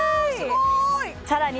いさらに